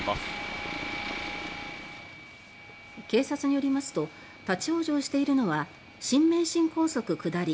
警察によりますと立ち往生しているのは新名神高速下り